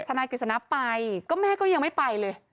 นายกฤษณะไปก็แม่ก็ยังไม่ไปเลย